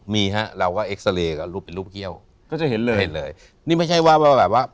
มีฮะเราก็เอ็กซาเรย์กับรูปเป็นรูปเยี่ยวก็จะเห็นเลยเห็นเลยนี่ไม่ใช่ว่าแบบว่า